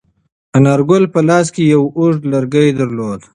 انارګل په لاس کې یو اوږد لرګی درلود.